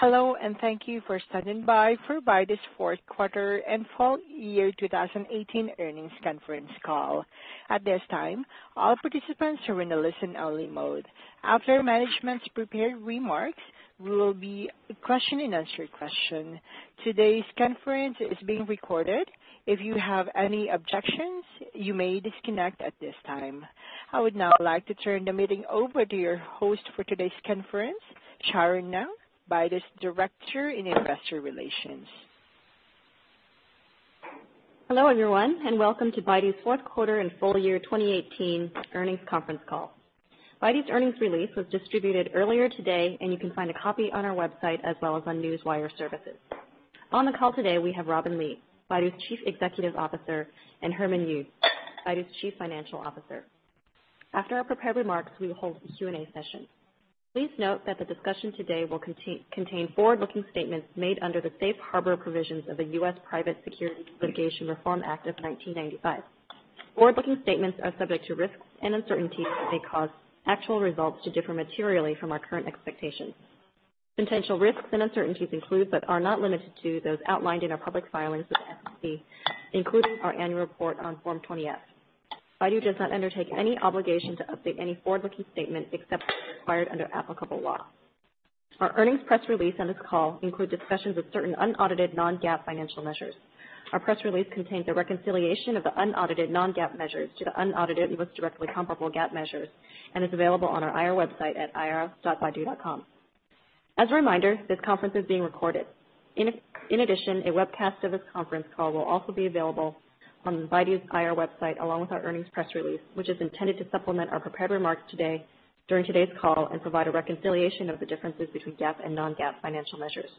Hello, and thank you for standing by for Baidu's fourth quarter and full year 2018 earnings conference call. At this time, all participants are in a listen-only mode. After management's prepared remarks, we will be question and answer. Today's conference is being recorded. If you have any objections, you may disconnect at this time. I would now like to turn the meeting over to your host for today's conference, Sharon Ng, Baidu's Director, Investor Relations. Hello, everyone, and welcome to Baidu's fourth quarter and full year 2018 earnings conference call. Baidu's earnings release was distributed earlier today, and you can find a copy on our website as well as on Newswire services. On the call today, we have Robin Li, Baidu's Chief Executive Officer, and Herman Yu, Baidu's Chief Financial Officer. After our prepared remarks, we will hold a Q&A session. Please note that the discussion today will contain forward-looking statements made under the Safe Harbor Provisions of the U.S. Private Securities Litigation Reform Act of 1995. Forward-looking statements are subject to risks and uncertainties that may cause actual results to differ materially from our current expectations. Potential risks and uncertainties include, but are not limited to, those outlined in our public filings with the SEC, including our annual report on Form 20-F. Baidu does not undertake any obligation to update any forward-looking statement except as required under applicable law. Our earnings press release on this call include discussions of certain unaudited non-GAAP financial measures. Our press release contains a reconciliation of the unaudited non-GAAP measures to the unaudited and most directly comparable GAAP measures, and is available on our IR website at ir.baidu.com. As a reminder, this conference is being recorded. In addition, a webcast of this conference call will also be available on Baidu's IR website along with our earnings press release, which is intended to supplement our prepared remarks today during today's call and provide a reconciliation of the differences between GAAP and non-GAAP financial measures.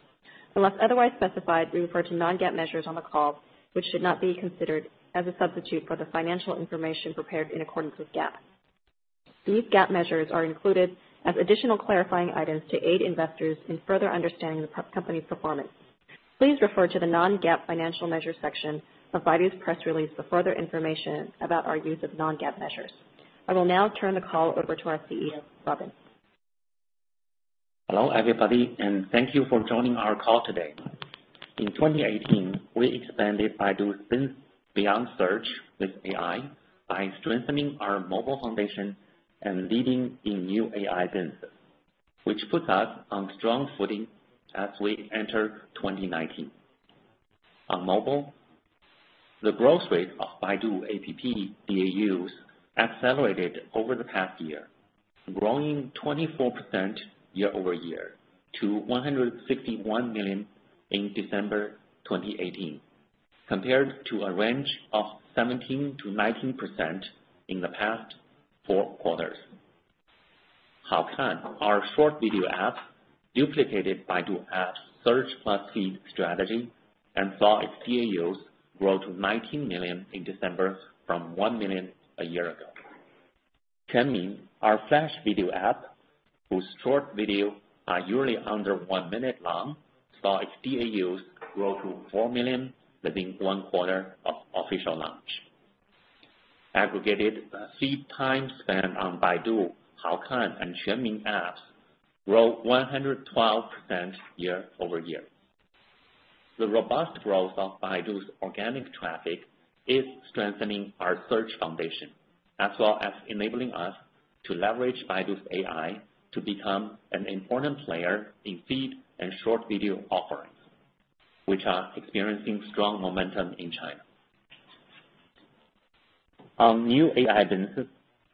Unless otherwise specified, we refer to non-GAAP measures on the call, which should not be considered as a substitute for the financial information prepared in accordance with GAAP. These GAAP measures are included as additional clarifying items to aid investors in further understanding the company's performance. Please refer to the non-GAAP financial measures section of Baidu's press release for further information about our use of non-GAAP measures. I will now turn the call over to our CEO, Robin. Hello, everybody, thank you for joining our call today. In 2018, we expanded Baidu's beyond search with AI by strengthening our mobile foundation and leading in new AI businesses, which puts us on strong footing as we enter 2019. On mobile, the growth rate of Baidu App DAUs accelerated over the past year, growing 24% year-over-year to 161 million in December 2018, compared to a range of 17%-19% in the past four quarters. Haokan, our short video app, duplicated Baidu App's search plus feed strategy and saw its DAUs grow to 19 million in December from 1 million a year ago. Quanmin, our flash video app, whose short video are usually under 1 minute long, saw its DAUs grow to 4 million within one quarter of official launch. Aggregated feed time spent on Baidu, Haokan and Quanmin apps grew 112% year-over-year. The robust growth of Baidu's organic traffic is strengthening our search foundation, as well as enabling us to leverage Baidu's AI to become an important player in feed and short video offerings, which are experiencing strong momentum in China. On new AI businesses,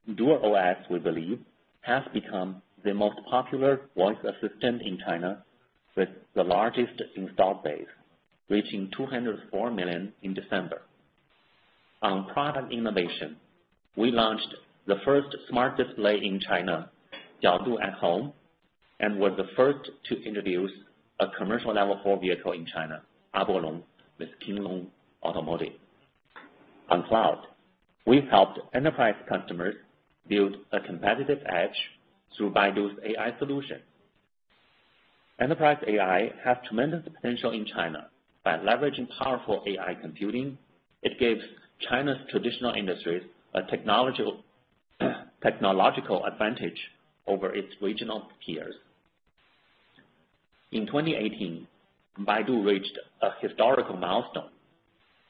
DuerOS, we believe, has become the most popular voice assistant in China with the largest install base, reaching 204 million in December. On product innovation, we launched the first smart display in China, Xiaodu at Home, and were the first to introduce a commercial level four vehicle in China, Apollo, with King Long Automotive. On cloud, we've helped enterprise customers build a competitive edge through Baidu's AI solution. Enterprise AI have tremendous potential in China. By leveraging powerful AI computing, it gives China's traditional industries a technological advantage over its regional peers. In 2018, Baidu reached a historical milestone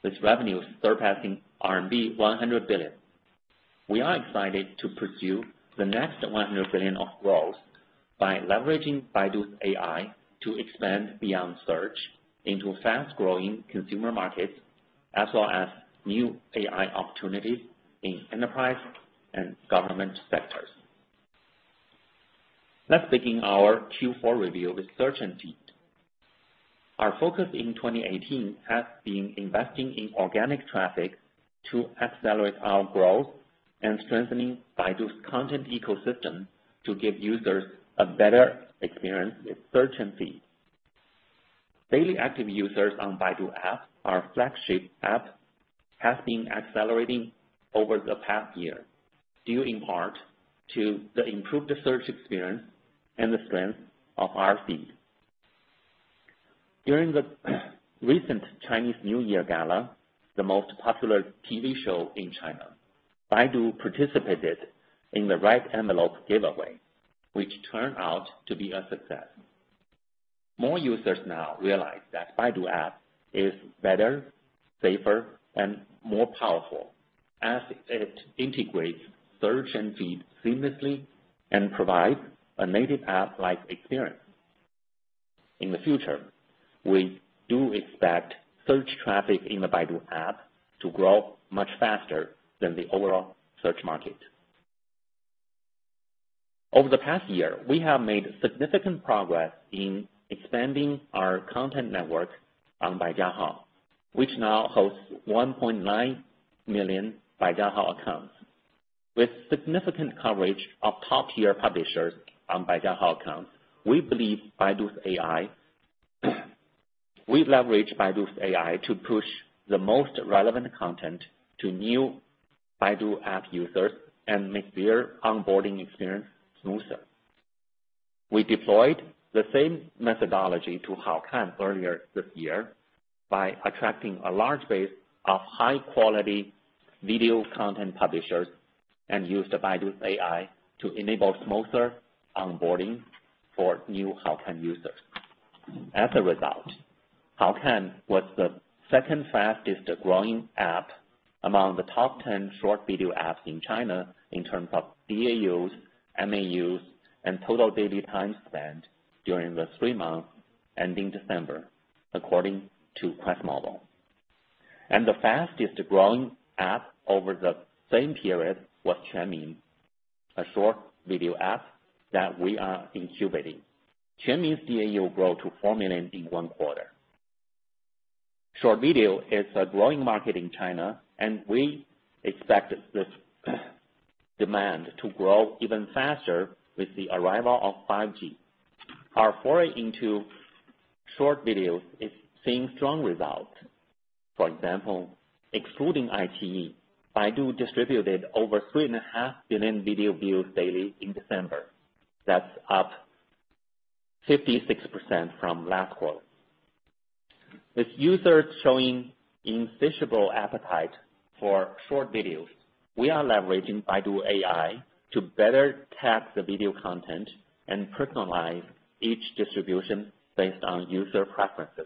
with revenues surpassing RMB 100 billion. We are excited to pursue the next 100 billion of growth by leveraging Baidu's AI to expand beyond search into fast-growing consumer markets, as well as new AI opportunities in enterprise and government sectors. Let's begin our Q4 review with search and feed. Our focus in 2018 has been investing in organic traffic to accelerate our growth and strengthening Baidu's content ecosystem to give users a better experience with search and feed. Daily active users on Baidu App, our flagship app, has been accelerating over the past year, due in part to the improved search experience and the strength of our feed. During the recent Chinese New Year gala, the most popular TV show in China, Baidu participated in the red envelope giveaway, which turned out to be a success. More users now realize that Baidu App is better, safer, and more powerful as it integrates search and feed seamlessly and provides a native app-like experience. In the future, we do expect search traffic in the Baidu App to grow much faster than the overall search market. Over the past year, we have made significant progress in expanding our content network on Baijiahao, which now hosts 1.9 million Baijiahao accounts. With significant coverage of top-tier publishers on Baijiahao accounts, we leverage Baidu's AI to push the most relevant content to new Baidu App users and make their onboarding experience smoother. We deployed the same methodology to Haokan earlier this year by attracting a large base of high-quality video content publishers and used Baidu's AI to enable smoother onboarding for new Haokan users. As a result, Haokan was the second fastest-growing app among the top 10 short video apps in China in terms of DAUs, MAUs, and total daily time spent during the three months ending December, according to QuestMobile. The fastest-growing app over the same period was Quanmin, a short video app that we are incubating. Quanmin's DAU grew to 4 million in one quarter. Short video is a growing market in China, and we expect this demand to grow even faster with the arrival of 5G. Our foray into short videos is seeing strong results. For example, excluding iQIYI, Baidu distributed over 3.5 billion video views daily in December. That's up 56% from last quarter. With users showing insatiable appetite for short videos, we are leveraging Baidu AI to better tag the video content and personalize each distribution based on user preferences.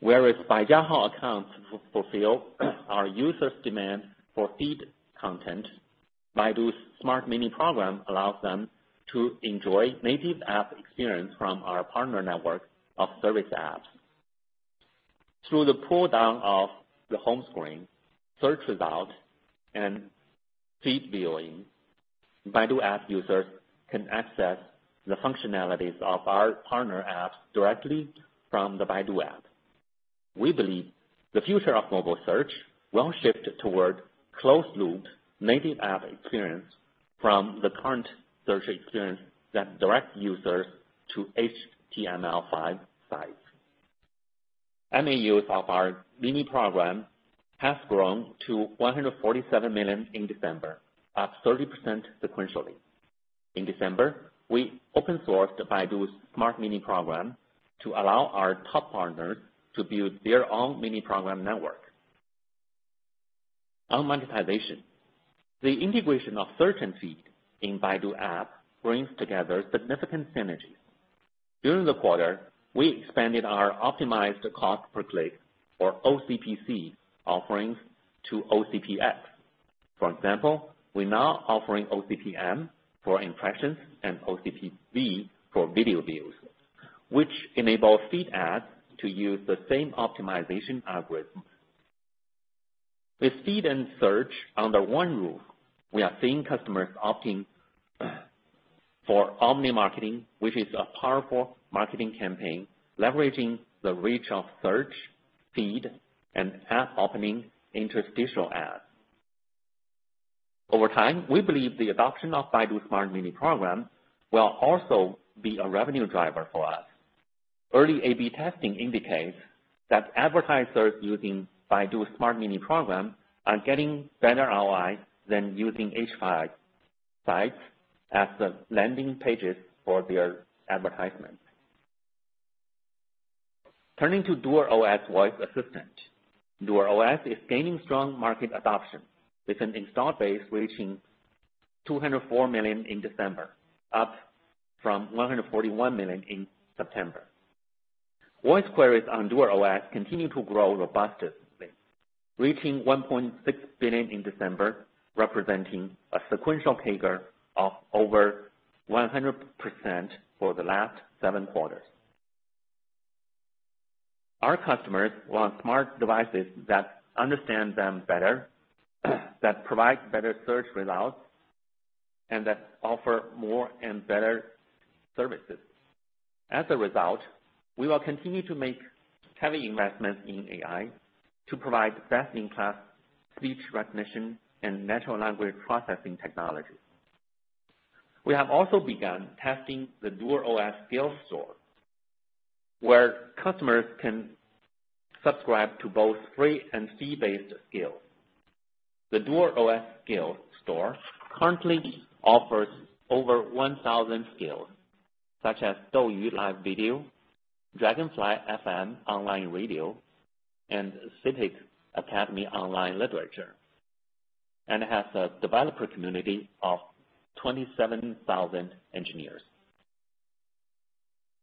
Whereas Baijiahao accounts fulfill our users' demand for feed content, Baidu Smart Mini Program allows them to enjoy native app experience from our partner network of service apps. Through the pull-down of the home screen, search result, and feed viewing, Baidu App users can access the functionalities of our partner apps directly from the Baidu App. We believe the future of mobile search will shift toward closed-loop native app experience from the current search experience that directs users to HTML5 sites. MAUs of our Mini Program have grown to 147 million in December, up 30% sequentially. In December, we open-sourced Baidu Smart Mini Program to allow our top partners to build their own Mini Program network. On monetization, the integration of search and feed in Baidu App brings together significant synergies. During the quarter, we expanded our optimized cost per click, or OCPC, offerings to OCPX. For example, we're now offering OCPM for impressions and OCPV for video views, which enable feed ads to use the same optimization algorithms. With feed and search under one roof, we are seeing customers opting for omni marketing, which is a powerful marketing campaign leveraging the reach of search, feed, and app opening interstitial ads. Over time, we believe the adoption of Baidu Smart Mini Program will also be a revenue driver for us. Early A/B testing indicates that advertisers using Baidu Smart Mini Program are getting better ROI than using H5 sites as the landing pages for their advertisements. Turning to DuerOS voice assistant. DuerOS is gaining strong market adoption, with an installed base reaching 204 million in December, up from 141 million in September. Voice queries on DuerOS continue to grow robustly, reaching 1.6 billion in December, representing a sequential CAGR of over 100% for the last seven quarters. Our customers want smart devices that understand them better, that provide better search results, and that offer more and better services. As a result, we will continue to make heavy investments in AI to provide best-in-class speech recognition and natural language processing technology. We have also begun testing the DuerOS skill store, where customers can subscribe to both free and fee-based skills. The DuerOS skill store currently offers over 1,000 skills, such as DouYu live video, Dragonfly FM online radio, and Citic Academy online literature, and has a developer community of 27,000 engineers.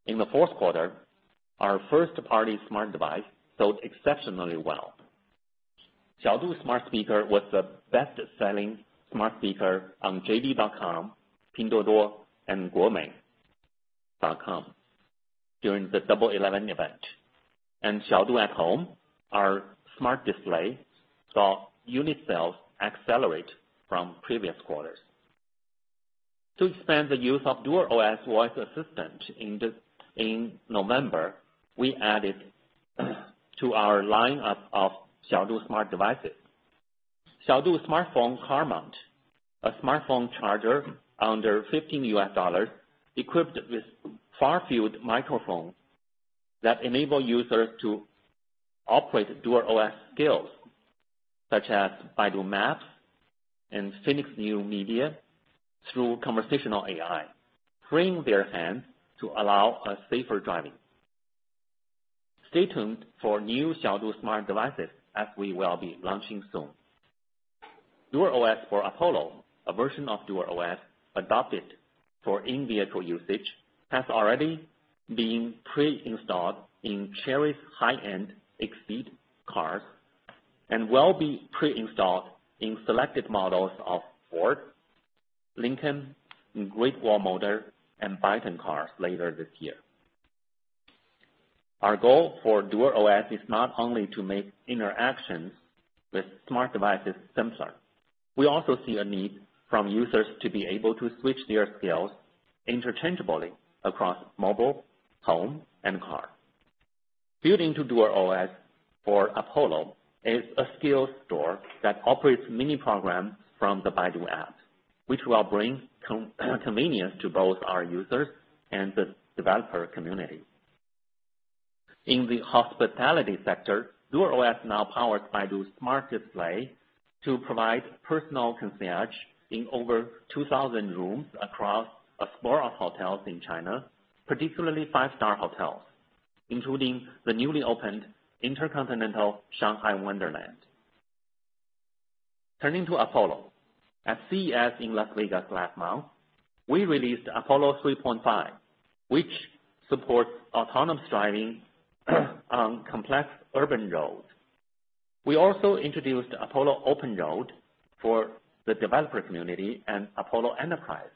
In the fourth quarter, our first-party smart device sold exceptionally well. Xiaodu's smart speaker was the best-selling smart speaker on JD.com, Pinduoduo, and Gome.com during the Double 11 event. Xiaodu at Home, our smart display, saw unit sales accelerate from previous quarters. To expand the use of DuerOS voice assistant in November, we added to our lineup of Xiaodu smart devices. Xiaodu smartphone car mount, a smartphone charger under $15, equipped with far-field microphone that enable users to operate DuerOS skills such as Baidu Maps and Phoenix New Media through conversational AI, freeing their hands to allow a safer driving. Stay tuned for new Xiaodu smart devices as we will be launching soon. DuerOS for Apollo, a version of DuerOS adopted for in-vehicle usage, has already been pre-installed in Chery's high-end Exeed cars and will be pre-installed in selected models of Ford, Lincoln, Great Wall Motor, and Byton cars later this year. Our goal for DuerOS is not only to make interactions with smart devices simpler. We also see a need from users to be able to switch their skills interchangeably across mobile, home, and car. Built into DuerOS for Apollo is a skill store that operates mini programs from the Baidu App, which will bring convenience to both our users and the developer community. In the hospitality sector, DuerOS now powers Baidu smart display to provide personal concierge in over 2,000 rooms across a score of hotels in China, particularly five-star hotels, including the newly opened InterContinental Shanghai Wonderland. Turning to Apollo. At CES in Las Vegas last month, we released Apollo 3.5, which supports autonomous driving on complex urban roads. We also introduced Apollo Open Road for the developer community and Apollo Enterprise,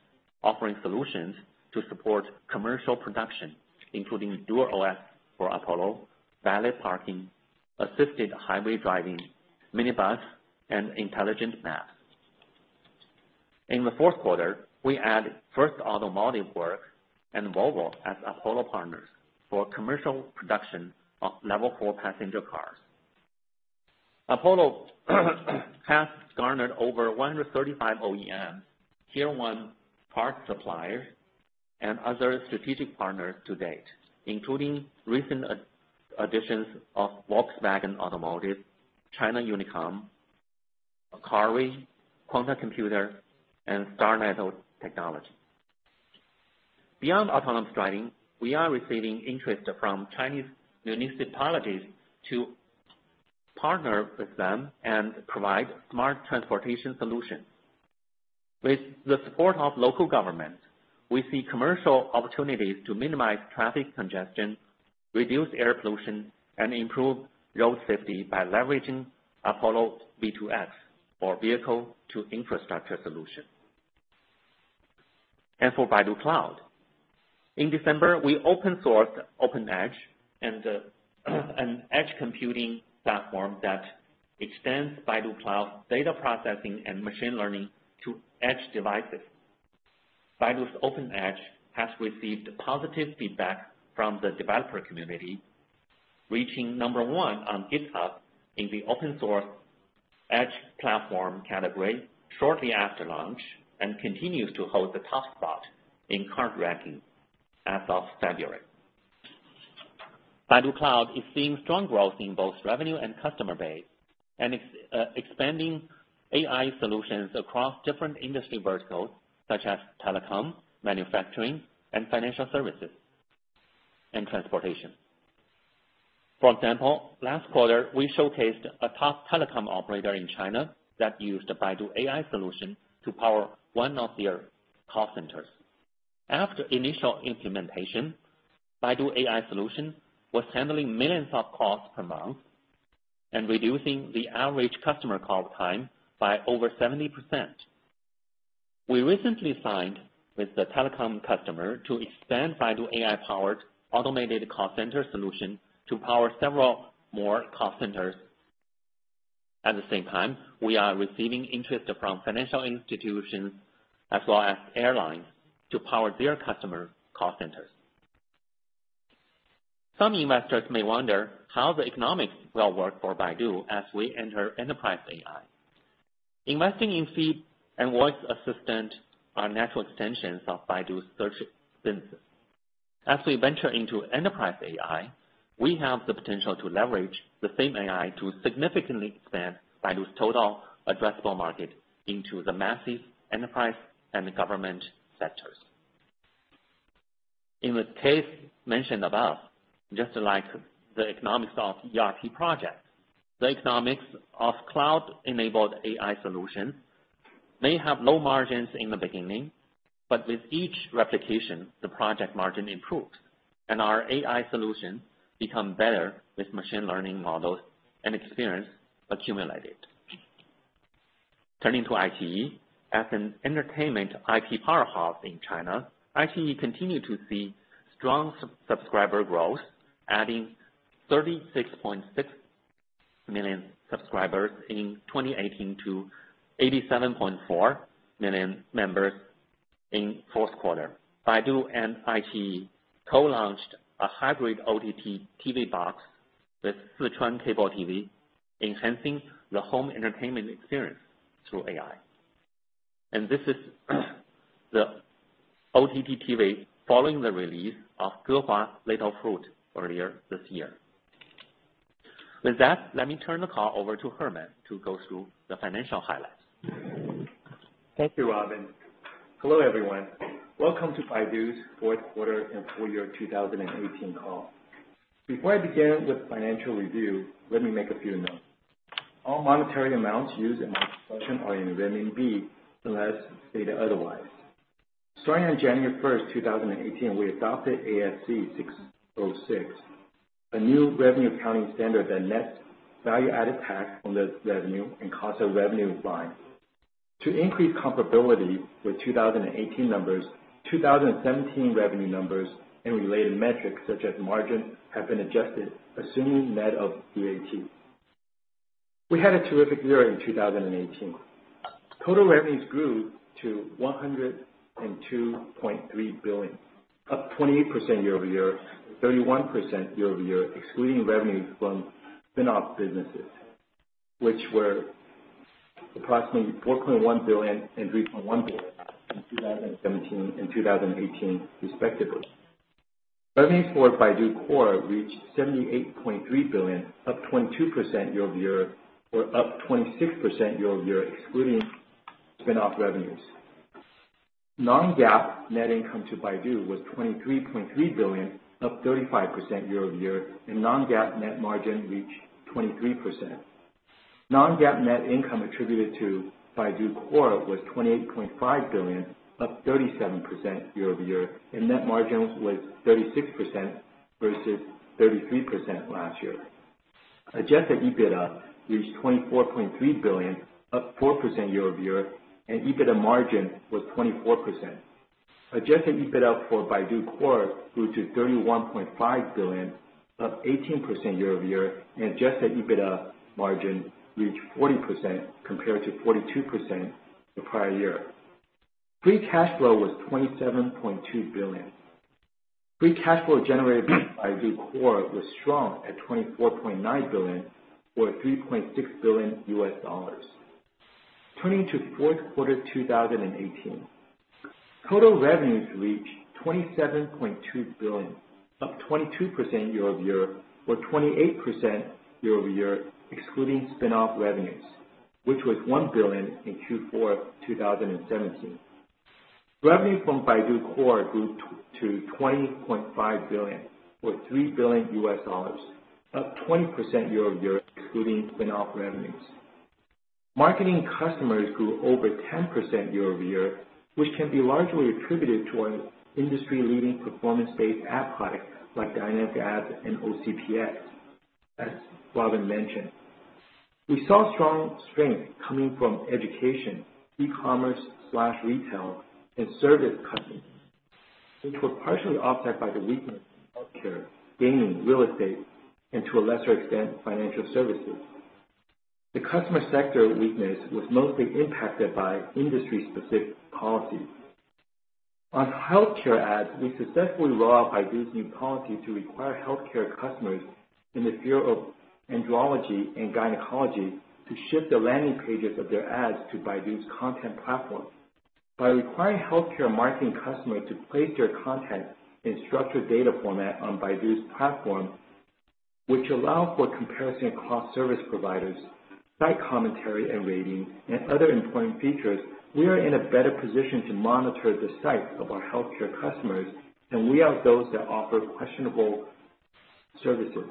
offering solutions to support commercial production, including DuerOS for Apollo, valet parking, assisted highway driving, minibus, and intelligent maps. In the fourth quarter, we added First Automotive Works and Volvo as Apollo partners for commercial production of level four passenger cars. Apollo has garnered over 135 OEM, tier-one parts suppliers, and other strategic partners to date, including recent additions of Volkswagen, China Unicom, Carwale, Quantum Computer, and Star Network Technology. Beyond autonomous driving, we are receiving interest from Chinese municipalities to partner with them and provide smart transportation solutions. With the support of local government, we see commercial opportunities to minimize traffic congestion, reduce air pollution, and improve road safety by leveraging Apollo V2X, or Vehicle to Infrastructure solution. For Baidu Cloud. In December, we open-sourced OpenEdge and an edge computing platform that extends Baidu Cloud data processing and machine learning to edge devices. Baidu's OpenEdge has received positive feedback from the developer community, reaching number 1 on GitHub in the open-source edge platform category shortly after launch and continues to hold the top spot in current ranking as of February. Baidu Cloud is seeing strong growth in both revenue and customer base and is expanding AI solutions across different industry verticals such as telecom, manufacturing, financial services, and transportation. For example, last quarter, we showcased a top telecom operator in China that used a Baidu AI solution to power one of their call centers. After initial implementation, Baidu AI solution was handling millions of calls per month and reducing the average customer call time by over 70%. We recently signed with the telecom customer to expand Baidu AI-powered automated call center solution to power several more call centers. At the same time, we are receiving interest from financial institutions as well as airlines to power their customer call centers. Some investors may wonder how the economics will work for Baidu as we enter enterprise AI. Investing in feed and voice assistant are natural extensions of Baidu's search business. As we venture into enterprise AI, we have the potential to leverage the same AI to significantly expand Baidu's total addressable market into the massive enterprise and government sectors. In the case mentioned above, just like the economics of ERP project, the economics of cloud-enabled AI solution may have low margins in the beginning, but with each replication, the project margin improves, and our AI solution become better with machine learning models and experience accumulated. Turning to iQIYI, as an entertainment IT powerhouse in China, iQIYI continue to see strong subscriber growth, adding 36.6 million subscribers in 2018 to 87.4 million members in fourth quarter. Baidu and iQIYI co-launched a hybrid OTT TV box with Sichuan Cable TV, enhancing the home entertainment experience through AI. This is the OTT TV following the release of Gehua Little Fruit earlier this year. With that, let me turn the call over to Herman to go through the financial highlights. Thank you, Robin. Hello, everyone. Welcome to Baidu's fourth quarter and full year 2018 call. Before I begin with financial review, let me make a few notes. All monetary amounts used in my discussion are in renminbi, unless stated otherwise. Starting on January 1st, 2018, we adopted ASC 606, a new revenue accounting standard that nets value-added tax on the revenue and constant revenue line. To increase comparability with 2018 numbers, 2017 revenue numbers and related metrics such as margin, have been adjusted assuming net of VAT. We had a terrific year in 2018. Total revenues grew to 102.3 billion, up 28% year-over-year, 31% year-over-year, excluding revenues from spin-off businesses, which were approximately 4.1 billion and 3.1 billion in 2017 and 2018 respectively. Revenues for Baidu Core reached 78.3 billion, up 22% year-over-year, or up 26% year-over-year, excluding spin-off revenues. Non-GAAP net income to Baidu was 23.3 billion, up 35% year-over-year, and non-GAAP net margin reached 23%. Non-GAAP net income attributed to Baidu Core was 28.5 billion, up 37% year-over-year, and net margin was 36% versus 33% last year. Adjusted EBITDA reached 24.3 billion, up 4% year-over-year, and EBITDA margin was 24%. Adjusted EBITDA for Baidu Core grew to 31.5 billion, up 18% year-over-year, and adjusted EBITDA margin reached 40% compared to 42% the prior year. Free cash flow was 27.2 billion. Free cash flow generated by Baidu Core was strong at 24.9 billion or $3.6 billion. Turning to fourth quarter 2018. Total revenues reached 27.2 billion, up 22% year-over-year, or 28% year-over-year, excluding spin-off revenues, which was 1 billion in Q4 2017. Revenue from Baidu Core grew to 20.5 billion, or $3 billion US, up 20% year-over-year, excluding spin-off revenues. Marketing customers grew over 10% year-over-year, which can be largely attributed to our industry-leading performance-based ad product, like dynamic ads and OCPC, as Robin mentioned. We saw strong strength coming from education, e-commerce/retail, and service customers, which were partially offset by the weakness in healthcare, gaming, real estate, and to a lesser extent, financial services. The customer sector weakness was mostly impacted by industry-specific policies. On healthcare ads, we successfully rolled out Baidu's new policy to require healthcare customers in the field of andrology and gynecology to shift the landing pages of their ads to Baidu's content platform. By requiring healthcare marketing customers to place their content in structured data format on Baidu's platform, which allow for comparison across service providers, site commentary and ratings, and other important features, we are in a better position to monitor the sites of our healthcare customers and weed out those that offer questionable services.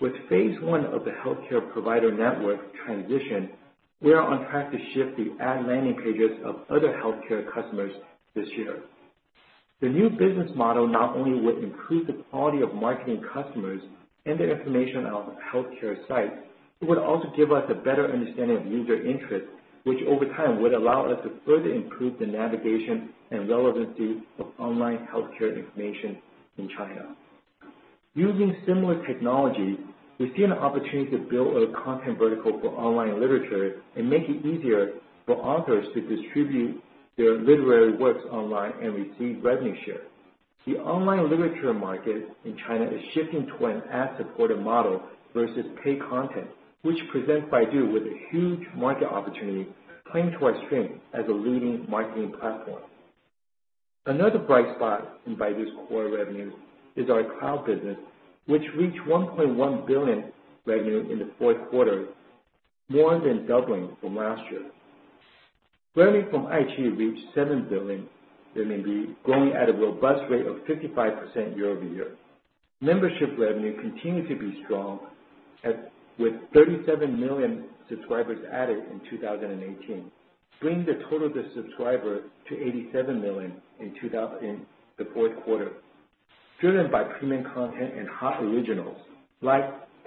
With phase one of the healthcare provider network transition, we are on track to shift the ad landing pages of other healthcare customers this year. The new business model not only will improve the quality of marketing customers and the information on healthcare sites, it would also give us a better understanding of user interest, which over time would allow us to further improve the navigation and relevancy of online healthcare information in China. Using similar technology, we see an opportunity to build a content vertical for online literature and make it easier for authors to distribute their literary works online and receive revenue share. The online literature market in China is shifting to an ad-supported model versus paid content, which presents Baidu with a huge market opportunity playing to our strength as a leading marketing platform. Another bright spot in Baidu Core revenue is our cloud business, which reached 1.1 billion revenue in the fourth quarter, more than doubling from last year. Revenue from iQIYI reached 7 billion, growing at a robust rate of 55% year-over-year. Membership revenue continued to be strong, with 37 million subscribers added in 2018, bringing the total subscribers to 87 million in the fourth quarter. Driven by premium content and hot originals like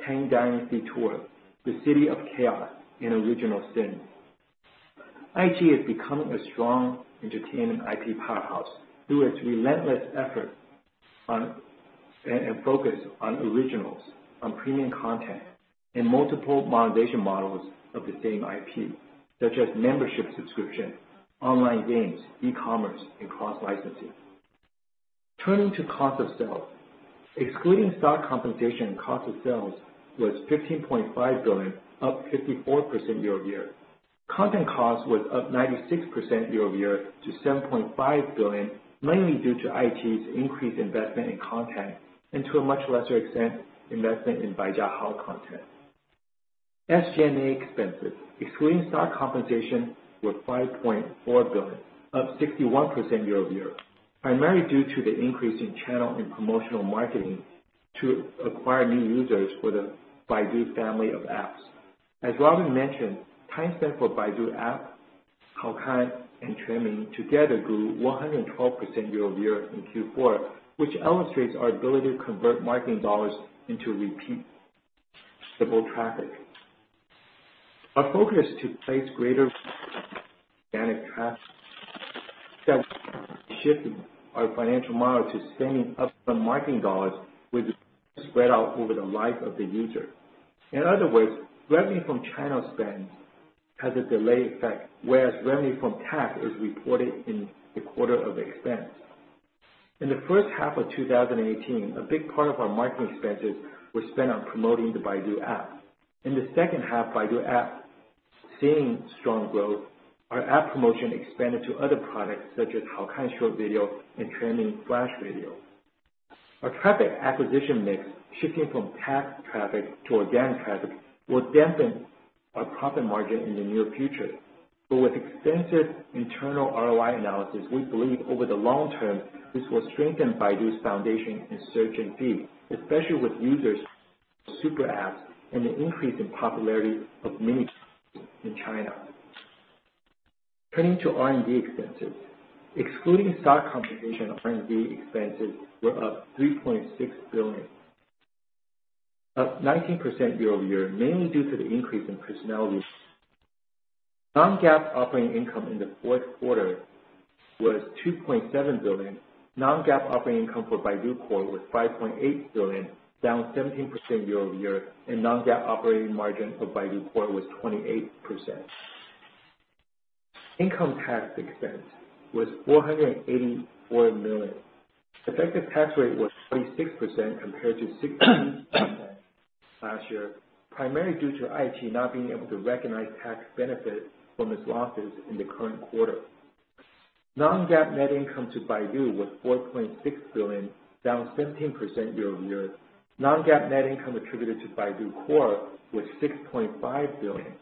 "Tang Dynasty Tour," "The City of Chaos," and "Original Sin." iQIYI is becoming a strong entertainment IP powerhouse through its relentless effort and focus on originals, on premium content, and multiple monetization models of the same IP, such as membership subscription, online games, e-commerce, and cross licensing. Turning to cost of sale. Excluding stock compensation, cost of sales was 15.5 billion, up 54% year-over-year. Content cost was up 96% year-over-year to 7.5 billion, mainly due to iQIYI's increased investment in content and, to a much lesser extent, investment in Baijiahao content. SG&A expenses, excluding stock compensation, were 5.4 billion, up 61% year-over-year, primarily due to the increase in channel and promotional marketing to acquire new users for the Baidu family of apps. As Robin mentioned, time spent for Baidu App, Haokan, and Quanmin together grew 112% year-over-year in Q4, which illustrates our ability to convert marketing CNY into repeatable traffic. Our focus to place greater organic traffic that shifting our financial model to spending up some marketing CNY will spread out over the life of the user. In other words, revenue from channel spend has a delayed effect, whereas revenue from CAC is reported in the quarter of expense. In the first half of 2018, a big part of our marketing expenses were spent on promoting the Baidu App. In the second half, Baidu App seeing strong growth, our app promotion expanded to other products such as Haokan short video and Quanmin Flash video. Our traffic acquisition mix shifting from CAC traffic to organic traffic will dampen our profit margin in the near future. With extensive internal ROI analysis, we believe over the long term this will strengthen Baidu's foundation in search and Feed, especially with users super apps and the increase in popularity of mini apps in China. Turning to R&D expenses. Excluding stock compensation, R&D expenses were up 3.6 billion, up 19% year-over-year, mainly due to the increase in personnel. Non-GAAP operating income in the fourth quarter was 2.7 billion. Non-GAAP operating income for Baidu Core was 5.8 billion, down 17% year-over-year, and non-GAAP operating margin for Baidu Core was 28%. Income tax expense was 484 million. Effective tax rate was 26% compared to 16% last year, primarily due to IG not being able to recognize tax benefits from its losses in the current quarter. Non-GAAP net income to Baidu was 4.6 billion, down 17% year-over-year. Non-GAAP net income attributed to Baidu Core was 6.5 billion,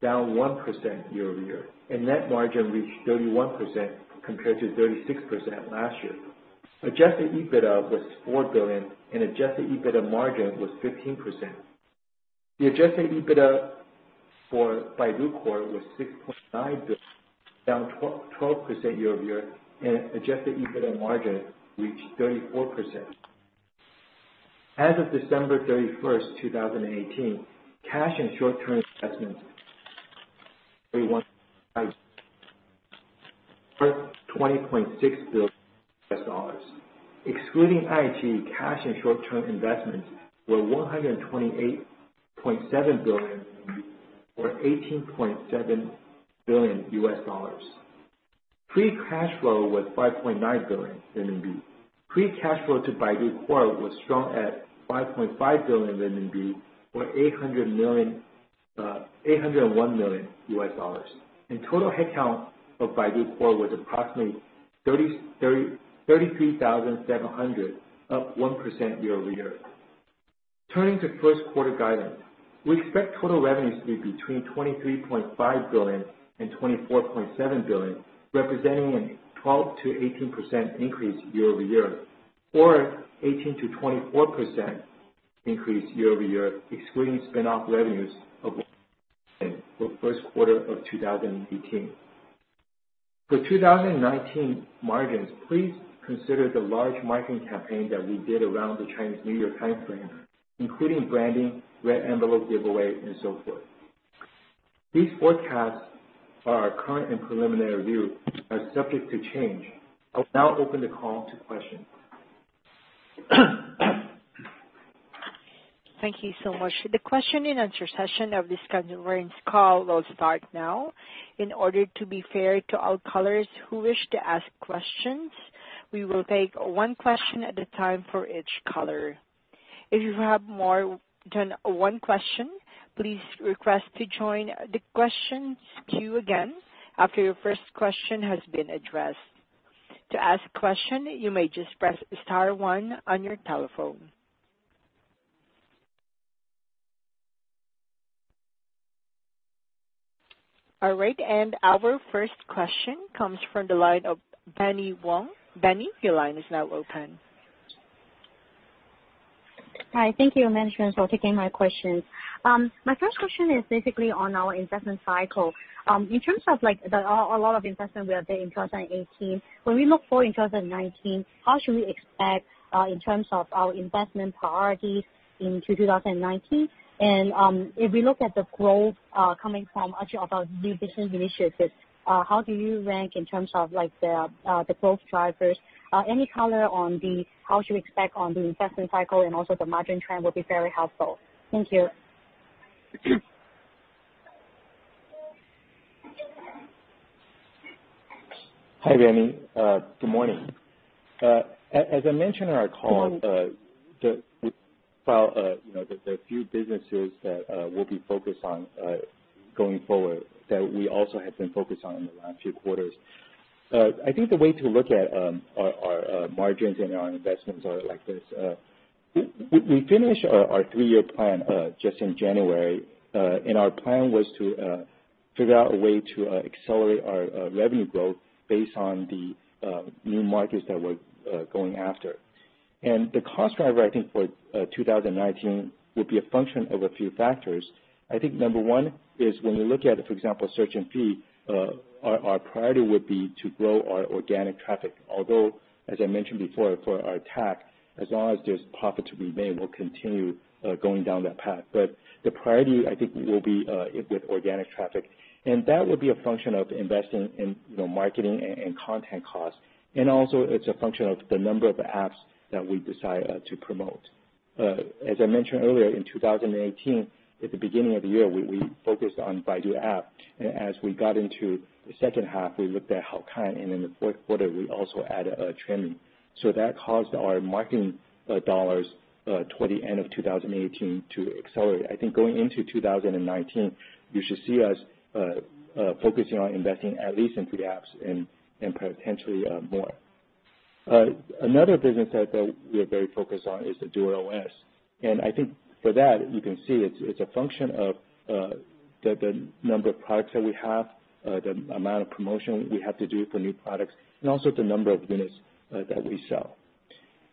down 1% year-over-year, and net margin reached 31% compared to 36% last year. Adjusted EBITDA was 4 billion and adjusted EBITDA margin was 15%. The adjusted EBITDA for Baidu Core was 6.9 billion, down 12% year-over-year, and adjusted EBITDA margin reached 34%. As of December 31st, 2018, cash and short-term investments were $20.6 billion U.S. dollars. Excluding IG, cash and short-term investments were CNY 128.7 billion or $18.7 billion U.S. dollars. Free cash flow was 5.9 billion RMB. Free cash flow to Baidu Core was strong at 5.5 billion RMB or $801 million U.S. dollars. Total headcount of Baidu Core was approximately 33,700, up 1% year-over-year. Turning to first quarter guidance. We expect total revenues to be between 23.5 billion and 24.7 billion, representing a 12%-18% increase year-over-year, or 18%-24% increase year-over-year excluding spin-off revenues for first quarter of 2018. For 2019 margins, please consider the large marketing campaign that we did around the Chinese New Year timeframe, including branding, red envelope giveaway, and so forth. These forecasts are our current and preliminary view, are subject to change. I'll now open the call to questions. Thank you so much. The question and answer session of this earnings call will start now. In order to be fair to all callers who wish to ask questions, we will take one question at a time for each caller. If you have more than one question, please request to join the questions queue again after your first question has been addressed. To ask a question, you may just press star one on your telephone. All right, our first question comes from the line of Binnie Wong. Binnie, your line is now open. Hi. Thank you, management, for taking my questions. My first question is basically on our investment cycle. In terms of a lot of investment we are doing in 2018, when we look forward in 2019, how should we expect in terms of our investment priorities into 2019? If we look at the growth coming from actually our new business initiatives, how do you rank in terms of the growth drivers? Any color on how you expect on the investment cycle and also the margin trend will be very helpful. Thank you. Hi, Binnie. Good morning. As I mentioned in our call. There are a few businesses that we'll be focused on going forward, that we also have been focused on in the last few quarters. I think the way to look at our margins and our investments are like this. We finished our three-year plan just in January, and our plan was to figure out a way to accelerate our revenue growth based on the new markets that we're going after. The cost driver, I think for 2019, will be a function of a few factors. I think number one is when we look at, for example, Search and Feed, our priority would be to grow our organic traffic. Although, as I mentioned before, for our TAC, as long as there's profit to be made, we'll continue going down that path. The priority, I think, will be with organic traffic. That will be a function of investing in marketing and content cost, also it's a function of the number of apps that we decide to promote. As I mentioned earlier, in 2018, at the beginning of the year, we focused on Baidu App. As we got into the second half, we looked at Haokan, in the fourth quarter, we also added a trending. That caused our marketing dollars toward the end of 2018 to accelerate. I think going into 2019, you should see us focusing on investing at least in three apps and potentially more. Another business that we are very focused on is the DuerOS. I think for that, you can see it's a function of the number of products that we have, the amount of promotion we have to do for new products, also the number of units that we sell.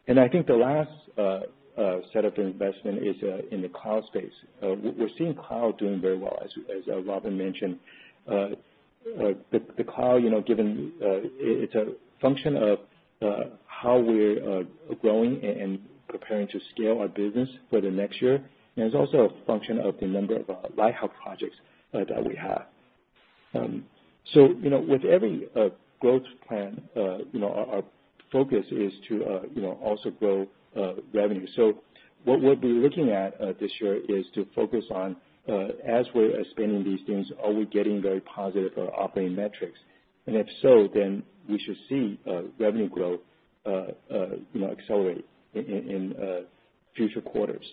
I think the last set of investment is in the cloud space. We're seeing cloud doing very well, as Robin mentioned. The cloud, it's a function of how we're growing and preparing to scale our business for the next year. It's also a function of the number of lighthouse projects that we have. With every growth plan, our focus is to also grow revenue. What we'll be looking at this year is to focus on, as we're expanding these things, are we getting very positive operating metrics? If so, then we should see revenue growth accelerate in future quarters.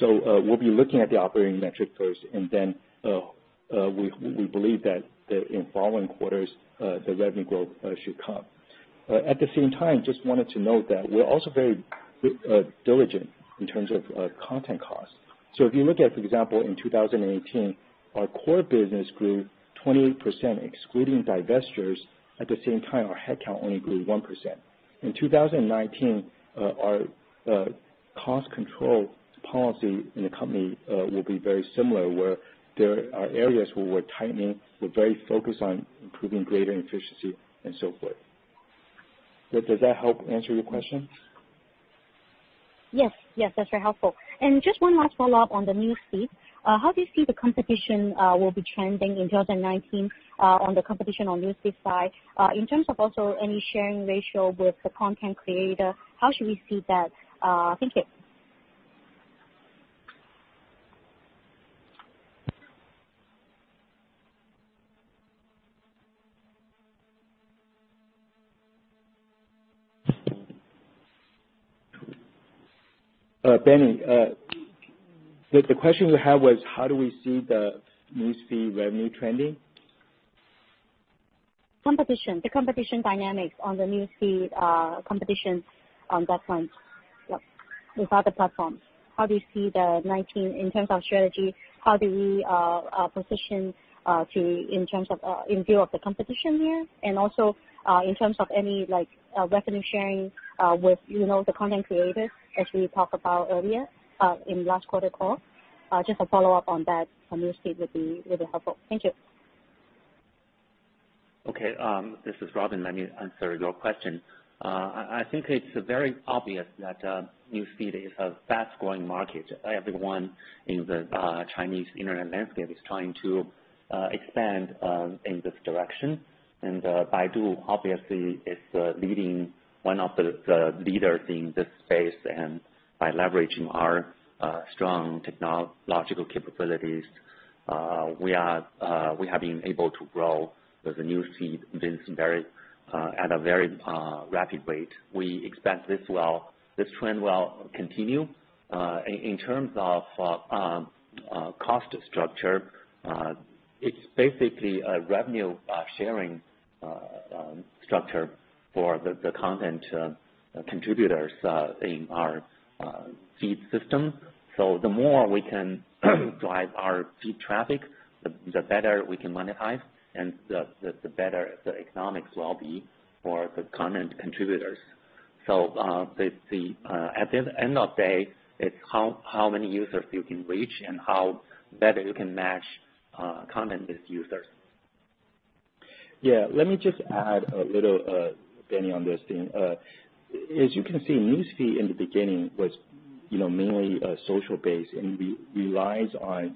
We'll be looking at the operating metric first, then we believe that in following quarters, the revenue growth should come. At the same time, just wanted to note that we're also very diligent in terms of content costs. If you look at, for example, in 2018, our core business grew 20%, excluding divestitures. At the same time, our headcount only grew 1%. In 2019, our cost control policy in the company will be very similar, where there are areas where we're tightening. We're very focused on improving greater efficiency and so forth. Does that help answer your question? Yes. That's very helpful. Just one last follow-up on the News Feed. How do you see the competition will be trending in 2019 on the competition on News Feed side? In terms of also any sharing ratio with the content creator, how should we see that? Thank you. Binnie, the question you had was how do we see the News Feed revenue trending? Competition, the competition dynamics on the News Feed competition on that front with other platforms. How do you see the 2019 in terms of strategy? How do we position in view of the competition here? Also, in terms of any revenue sharing with the content creators, as we talked about earlier in last quarter call. Just a follow-up on that, on News Feed, would be really helpful. Thank you. Okay. This is Robin. Let me answer your question. I think it's very obvious that News Feed is a fast-growing market. Everyone in the Chinese internet landscape is trying to expand in this direction. Baidu obviously is one of the leaders in this space. By leveraging our strong technological capabilities, we have been able to grow with the News Feed at a very rapid rate. We expect this trend will continue. In terms of cost structure, it's basically a revenue-sharing structure for the content contributors in our feed system. The more we can drive our feed traffic, the better we can monetize, and the better the economics will be for the content contributors. At the end of the day, it's how many users you can reach and how better you can match content with users. Yeah. Let me just add a little, Binnie, on this theme. As you can see, News Feed in the beginning was mainly social based, and it relies on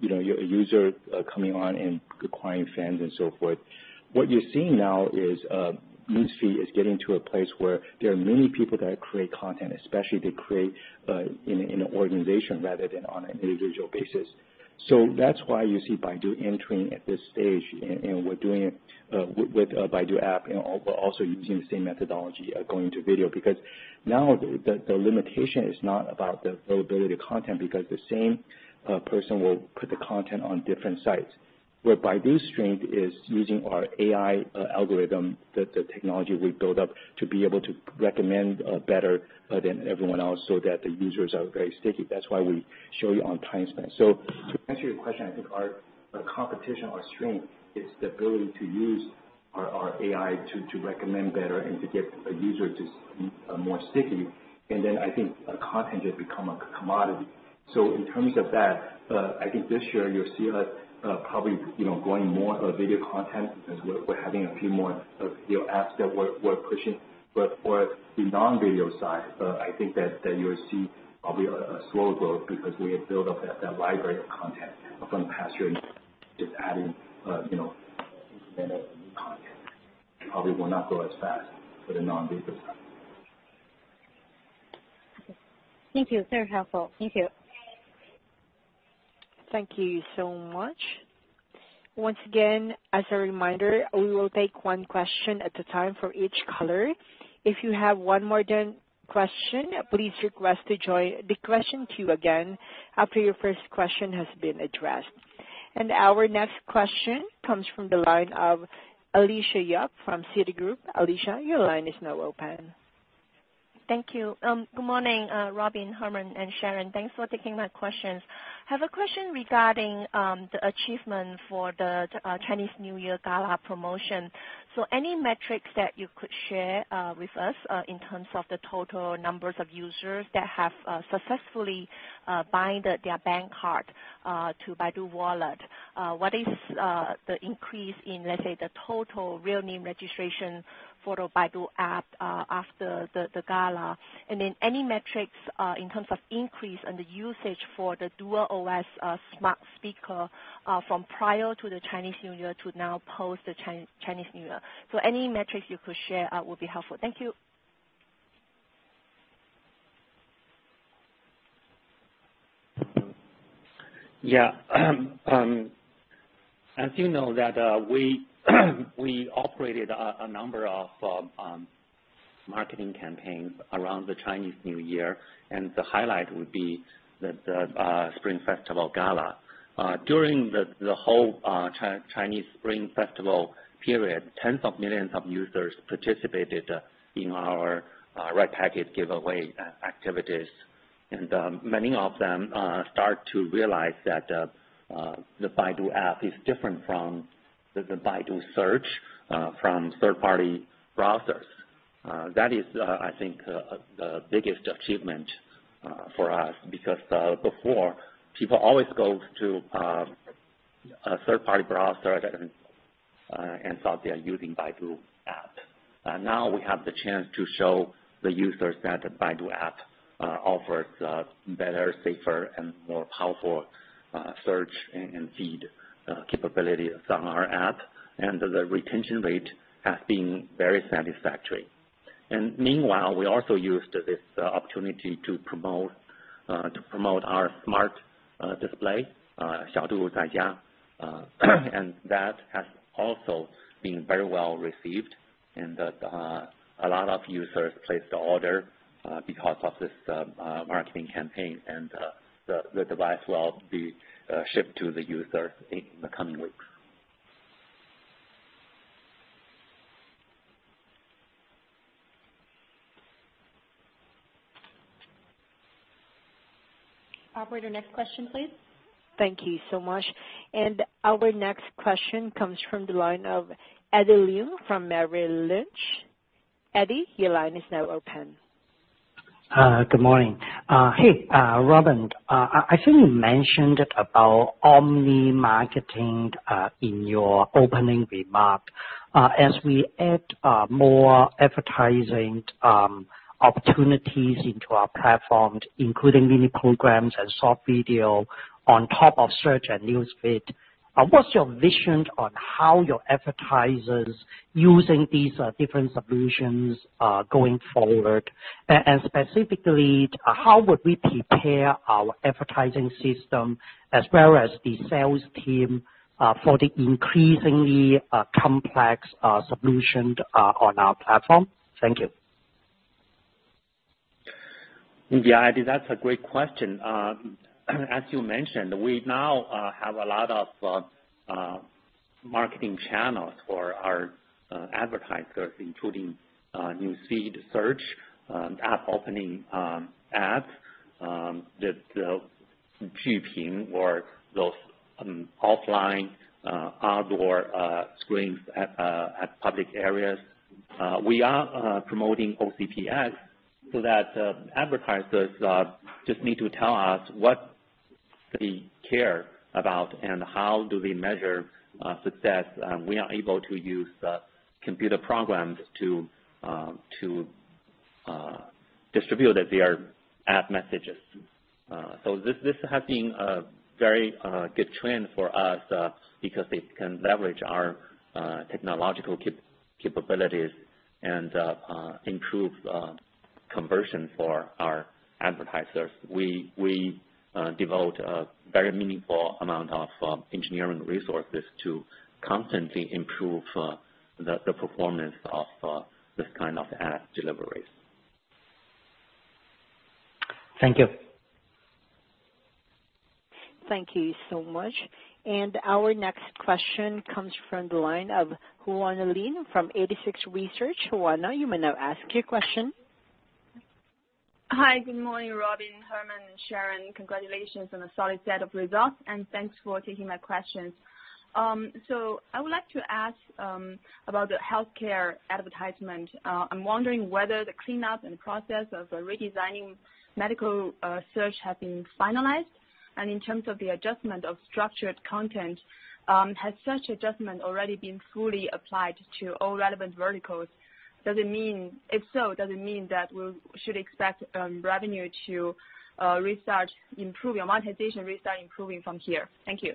your user coming on and acquiring fans and so forth. What you're seeing now is News Feed is getting to a place where there are many people that create content, especially they create in an organization rather than on an individual basis. That's why you see Baidu entering at this stage, and we're doing it with Baidu App, but also using the same methodology going to video, because now the limitation is not about the availability of content, because the same person will put the content on different sites. Where Baidu's strength is using our AI algorithm, the technology we built up to be able to recommend better than everyone else, so that the users are very sticky. That's why we show you on time spent. To answer your question, I think our competition, our strength is the ability to use our AI to recommend better and to get a user to be more sticky. I think content has become a commodity. In terms of that, I think this year you'll see us probably going more video content because we're having a few more apps that we're pushing. For the non-video side, I think that you'll see probably a slow growth because we have built up that library of content from the past year, and just adding new content probably will not grow as fast for the non-video side. Thank you. Very helpful. Thank you. Thank you so much. Once again, as a reminder, we will take one question at a time for each caller. If you have more than one question, please request to join the question queue again after your first question has been addressed. Our next question comes from the line of Alicia Yap from Citigroup. Alicia, your line is now open. Thank you. Good morning, Robin, Herman, and Sharon. Thanks for taking my questions. I have a question regarding the achievement for the Chinese New Year gala promotion. Any metrics that you could share with us in terms of the total numbers of users that have successfully bind their bank card to Baidu Wallet? What is the increase in, let's say, the total real name registration for the Baidu App after the gala? Any metrics in terms of increase on the usage for the DuerOS smart speaker from prior to the Chinese New Year to now post the Chinese New Year. Any metrics you could share would be helpful. Thank you. Yeah. As you know that we operated a number of marketing campaigns around the Chinese New Year, and the highlight would be the Spring Festival gala. During the whole Chinese Spring Festival period, tens of millions of users participated in our red packet giveaway activities, and many of them start to realize that the Baidu App is different from the Baidu search from third-party browsers. That is, I think, the biggest achievement for us because before, people always go to a third-party browser and thought they are using Baidu App. Now we have the chance to show the users that the Baidu App offers a better, safer, and more powerful search and feed capability from our app, and the retention rate has been very satisfactory. Meanwhile, we also used this opportunity to promote our smart display, and that has also been very well received. A lot of users placed order because of this marketing campaign, and the device will be shipped to the user in the coming weeks. Operator, next question please. Thank you so much. Our next question comes from the line of Edward Leung from Merrill Lynch. Eddie, your line is now open. Good morning. Hey, Robin, I think you mentioned about omni-marketing in your opening remark. As we add more advertising opportunities into our platforms, including Mini Programs and short video on top of search and Baidu Feed, what's your vision on how your advertisers using these different solutions going forward? Specifically, how would we prepare our advertising system as well as the sales team for the increasingly complex solutions on our platform? Thank you. Yeah, I think that's a great question. As you mentioned, we now have a lot of marketing channels for our advertisers, including Baidu Feed search, app opening ads, the or those offline outdoor screens at public areas. We are promoting OCPS so that advertisers just need to tell us what they care about and how do they measure success. We are able to use computer programs to distribute their ad messages. This has been a very good trend for us because it can leverage our technological capabilities and improve conversion for our advertisers. We devote a very meaningful amount of engineering resources to constantly improve the performance of this kind of ad deliveries. Thank you. Thank you so much. Our next question comes from the line of Juan Lin from 86Research. Juana, you may now ask your question. Hi. Good morning, Robin, Herman, and Sharon. Congratulations on a solid set of results and thanks for taking my questions. I would like to ask about the healthcare advertisement. I'm wondering whether the cleanup and process of redesigning medical search has been finalized. In terms of the adjustment of structured content, has such adjustment already been fully applied to all relevant verticals? If so, does it mean that we should expect revenue to resurge, your monetization resurging from here? Thank you.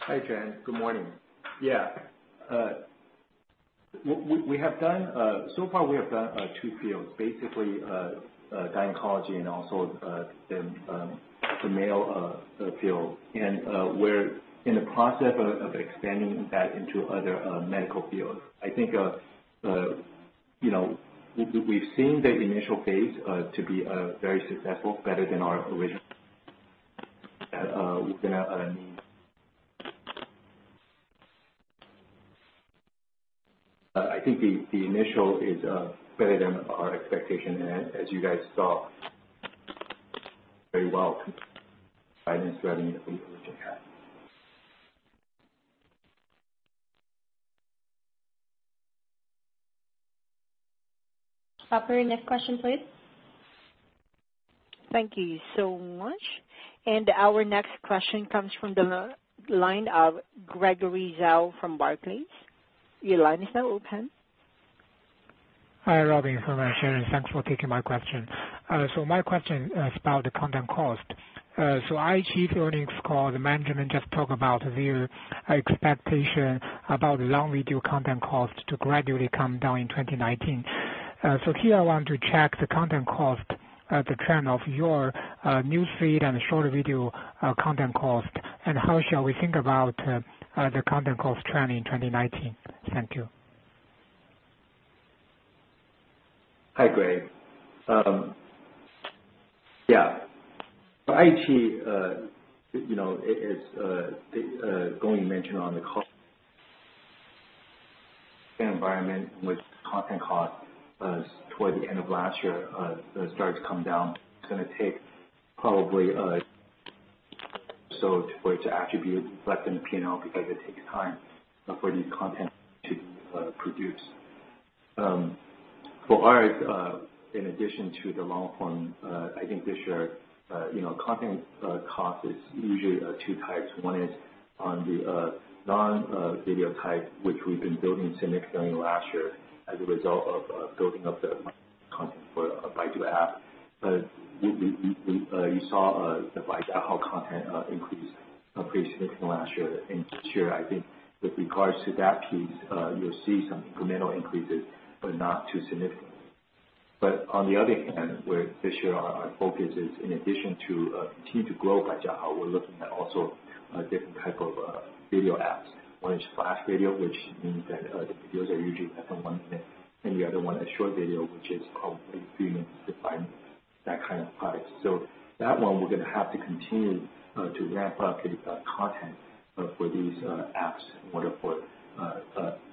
Hi, Juan. Good morning. Far we have done two fields, basically gynecology and also the male field. We're in the process of expanding that into other medical fields. I think we've seen the initial phase to be very successful, better than our original. I think the initial is better than our expectation, and as you guys saw very well, guidance revenue. Operator, next question, please. Thank you so much. Our next question comes from the line of Gregory Zhao from Barclays. Your line is now open. Hi, Robin, Herman, Sharon. Thanks for taking my question. My question is about the content cost. iQIYI earnings call, the management just talk about their expectation about long video content cost to gradually come down in 2019. Here I want to check the content cost, the trend of your newsfeed and short video content cost, and how shall we think about the content cost trend in 2019. Thank you. Hi, Greg. Yeah. For iQIYI, Gong Yu mentioned on the call environment in which content cost towards the end of last year started to come down. It's going to take probably a so for it to attribute back in the P&L because it takes time for new content to produce. For our, in addition to the long form, I think this year, content cost is usually two types. One is on the non-video type, which we've been building significantly last year as a result of building up the content for Baidu App. You saw the Baijiahao content increased pretty significantly last year and this year, I think with regards to that piece, you'll see some incremental increases, but not too significant. On the other hand, where this year our focus is in addition to continue to grow Baidu, we're looking at also different type of video apps. One is flash video, which means that the videos are usually less than one minute, and the other one is short video, which is called a few minutes defined, that kind of product. That one we're going to have to continue to ramp up the content for these apps in order for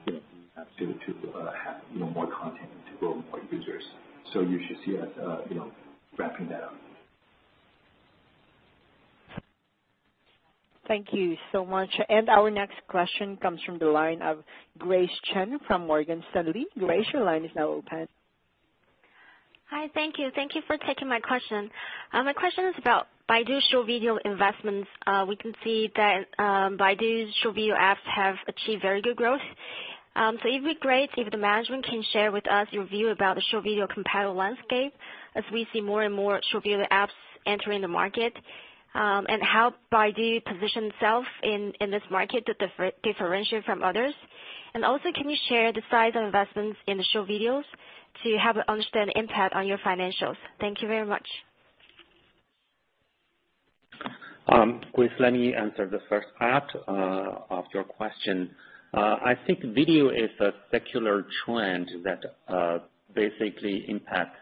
these apps to have more content and to grow more users. You should see us ramping that up. Thank you so much. Our next question comes from the line of Grace Chen from Morgan Stanley. Grace, your line is now open. Hi, thank you. Thank you for taking my question. My question is about Baidu's short video investments. We can see that Baidu's short video apps have achieved very good growth. It'd be great if the management can share with us your view about the short video competitive landscape, as we see more and short video apps entering the market. How Baidu positions itself in this market to differentiate from others. Also, can you share the size of investments in the short videos to have an understanding the impact on your financials? Thank you very much. Grace, let me answer the first part of your question. I think video is a secular trend that basically impacts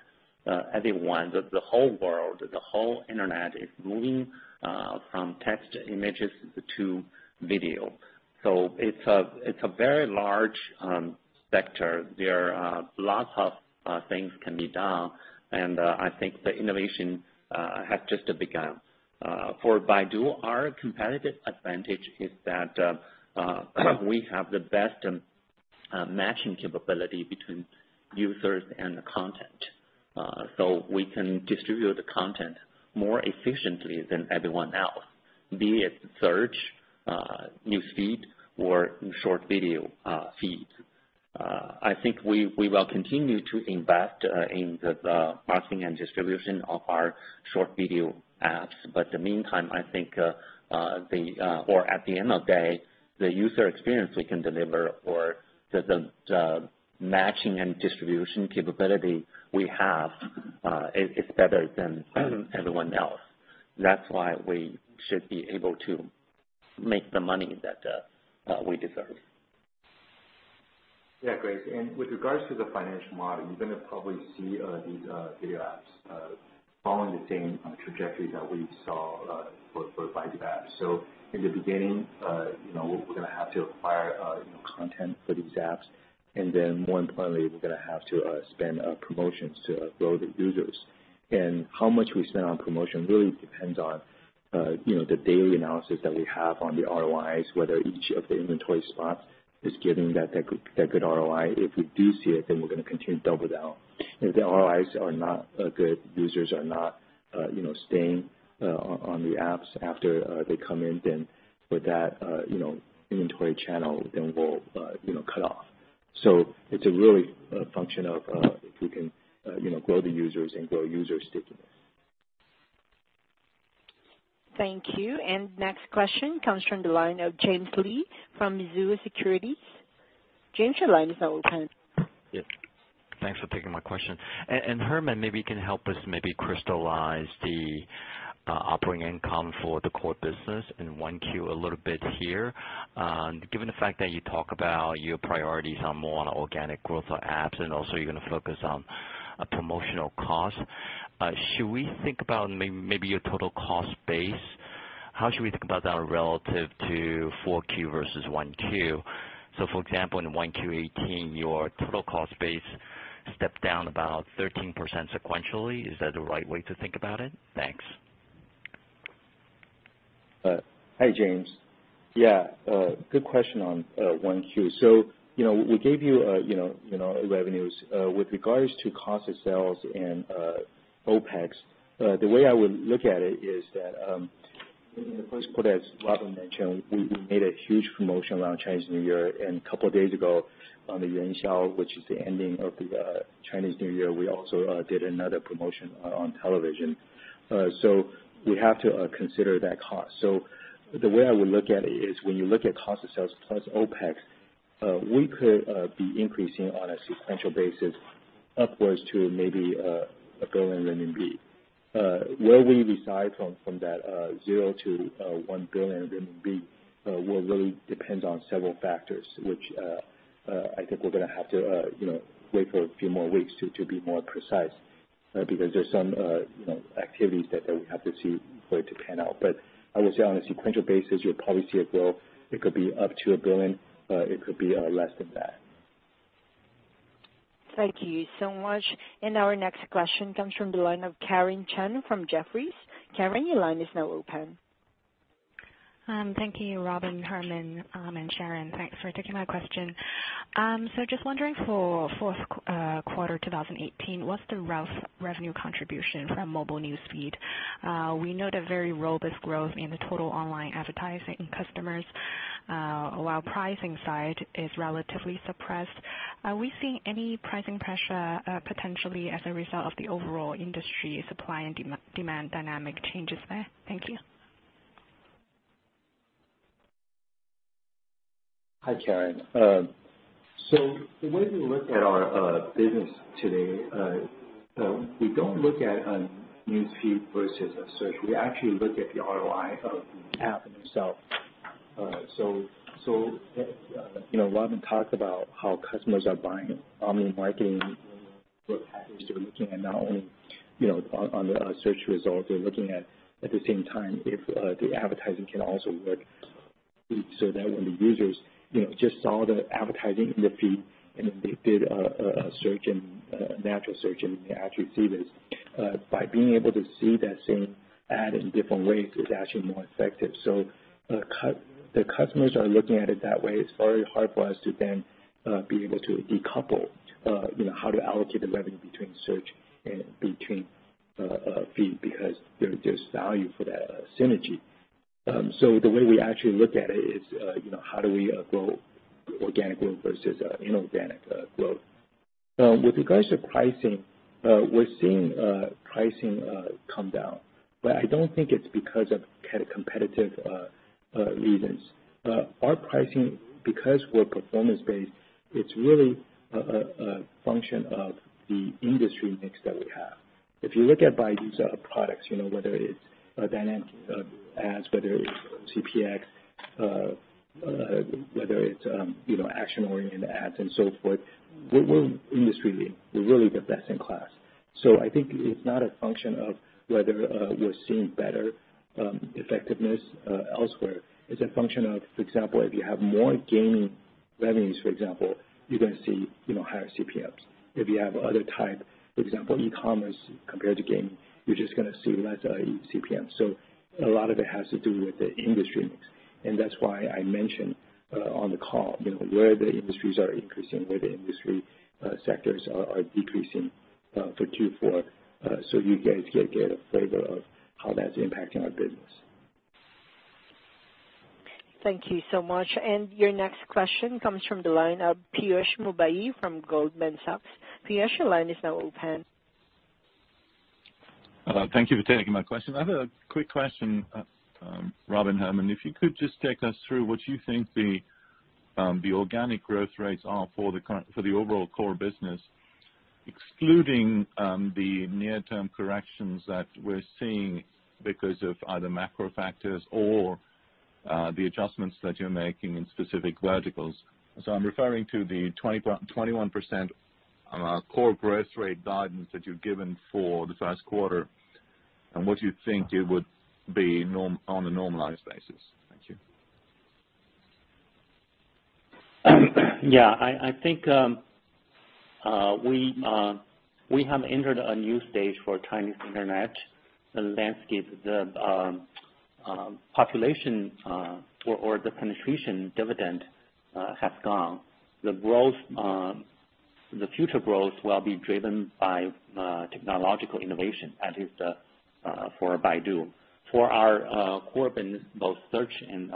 everyone. The whole world, the whole Internet is moving from text images to video. It's a very large sector. There are lots of things can be done, and I think the innovation has just begun. For Baidu, our competitive advantage is that, I think we have the best matching capability between users and the content. We can distribute the content more efficiently than everyone else, be it search, newsfeed, or short video feeds. I think we will continue to invest in the marketing and distribution of our short video apps. The meantime, I think, or at the end of day, the user experience we can deliver or the matching and distribution capability we have is better than everyone else. That's why we should be able to make the money that we deserve. Yeah, Grace, with regards to the financial model, you're going to probably see these video apps following the same trajectory that we saw for Baidu apps. In the beginning we're going to have to acquire content for these apps, and then more importantly, we're going to have to spend on promotions to grow the users. How much we spend on promotion really depends on the daily analysis that we have on the ROIs, whether each of the inventory spots is giving that good ROI. If we do see it, then we're going to continue to double down. If the ROIs are not good, users are not staying on the apps after they come in, then for that inventory channel, then we'll cut off. It's really a function of if we can grow the users and grow user stickiness. Thank you. Next question comes from the line of James Lee from Mizuho Securities. James, your line is now open. Yes. Thanks for taking my question. Herman, maybe you can help us maybe crystallize the operating income for the core business in 1Q a little bit here. Given the fact that you talk about your priorities are more on organic growth of apps and also you're going to focus on promotional cost, should we think about maybe your total cost base? How should we think about that relative to 4Q versus 1Q? For example, in 1Q 2018, your total cost base stepped down about 13% sequentially. Is that the right way to think about it? Thanks. Hi, James. Yeah. Good question on 1Q. We gave you revenues. With regards to cost of sales and OPEX, the way I would look at it is that, in the first quarter, as Robin mentioned, we made a huge promotion around Chinese New Year, and a couple of days ago on the Yuan Xiao, which is the ending of the Chinese New Year, we also did another promotion on television. We have to consider that cost. The way I would look at it is when you look at cost of sales plus OPEX, we could be increasing on a sequential basis upwards to maybe 1 billion RMB. Where we decide from that 0 to 1 billion RMB will really depend on several factors, which I think we're going to have to wait for a few more weeks to be more precise because there's some activities that we have to see for it to pan out. I would say on a sequential basis, you'll probably see a growth. It could be up to 1 billion, it could be less than that. Thank you so much. Our next question comes from the line of Karen Chen from Jefferies. Karen, your line is now open. Thank you, Robin, Herman, and Sharon. Thanks for taking my question. Just wondering for fourth quarter 2018, what's the revenue contribution from mobile newsfeed? We know the very robust growth in the total online advertising customers, while pricing side is relatively suppressed. Are we seeing any pricing pressure potentially as a result of the overall industry supply and demand dynamic changes there? Thank you. Hi, Karen. The way we look at our business today, we don't look at newsfeed versus a search. We actually look at the ROI of the app itself. Robin talked about how customers are buying online marketing, what package they're looking at not only on the search result, they're looking at the same time if the advertising can also work so that when the users just saw the advertising in the feed, and if they did a natural search and they actually see this. By being able to see that same ad in different ways is actually more effective. The customers are looking at it that way. It's very hard for us to then be able to decouple how to allocate the revenue between search and between feed because there's value for that synergy. So the way we actually look at it is, how do we grow organic growth versus inorganic growth? With regards to pricing, we're seeing pricing come down, but I don't think it's because of competitive reasons. Our pricing, because we're performance-based, it's really a function of the industry mix that we have. If you look at Baidu's products, whether it's dynamic ads, whether it's CPX, whether it's action-oriented ads and so forth, we're industry leading. We're really the best in class. I think it's not a function of whether we're seeing better effectiveness elsewhere. It's a function of, for example, if you have more gaming revenues, for example, you're going to see higher CPMs. If you have other type, for example, e-commerce compared to gaming, you're just going to see less CPM. A lot of it has to do with the industry mix, and that's why I mentioned on the call where the industries are increasing, where the industry sectors are decreasing for Q4, you guys get a flavor of how that's impacting our business. Thank you so much. Your next question comes from the line of Piyush Mubayi from Goldman Sachs. Piyush, your line is now open. Hello. Thank you for taking my question. I have a quick question, Robin, Herman, if you could just take us through what you think the organic growth rates are for the overall core business, excluding the near-term corrections that we're seeing because of either macro factors or the adjustments that you're making in specific verticals. I'm referring to the 21% core growth rate guidance that you've given for this last quarter, and what you think it would be on a normalized basis. Thank you. I think we have entered a new stage for Chinese internet landscape. The population or the penetration dividend has gone. The future growth will be driven by technological innovation, at least for Baidu. For our core business, both search and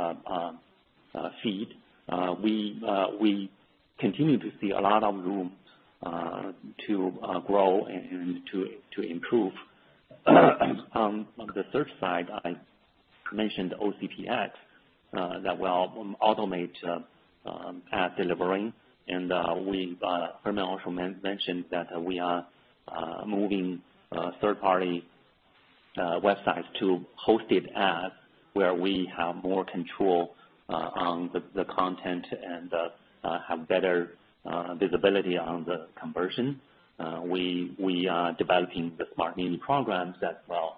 feed, we continue to see a lot of room to grow and to improve. On the search side, I mentioned OCPX, that will automate ad delivering, and Herman also mentioned that we are moving third-party websites to hosted ads where we have more control on the content and have better visibility on the conversion. We are developing the smart link programs that will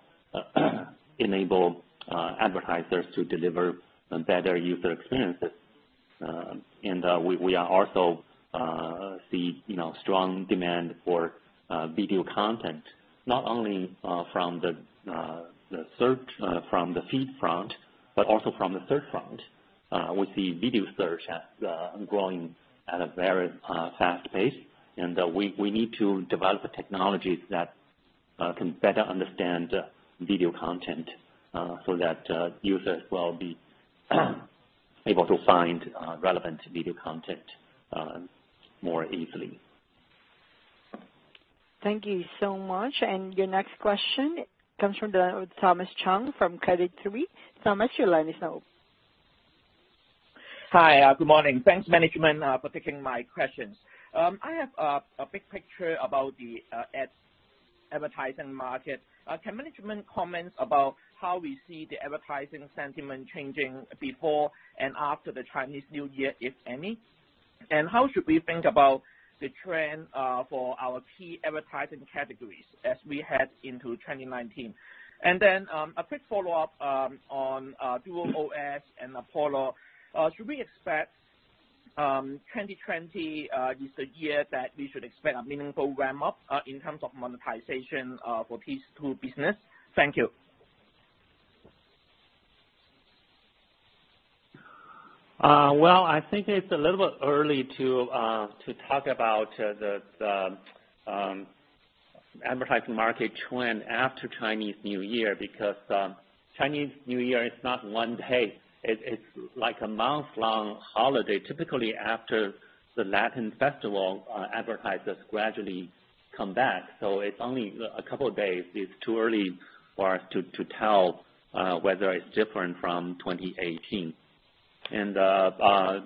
enable advertisers to deliver better user experiences. We also see strong demand for video content, not only from the feed front, but also from the search front. We see video search as growing at a very fast pace, and we need to develop the technologies that can better understand video content so that users will be able to find relevant video content more easily. Thank you so much. Your next question comes from Thomas Chong from Credit Suisse. Thomas, your line is now open. Hi, good morning. Thanks, management, for taking my questions. I have a big picture about the advertising market. Can management comment about how we see the advertising sentiment changing before and after the Chinese New Year, if any? How should we think about the trend for our key advertising categories as we head into 2019? A quick follow-up on DuerOS and Apollo. Should we expect 2020 is the year that we should expect a meaningful ramp-up in terms of monetization for these two business? Thank you. Well, I think it's a little bit early to talk about the advertising market trend after Chinese New Year, because Chinese New Year is not one day. It's like a month-long holiday. Typically, after the Lantern Festival, advertisers gradually come back, so it's only a couple of days. It's too early for us to tell whether it's different from 2018.